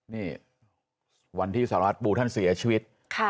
นี่วันที่สารวัตรปูท่านเสียชีวิต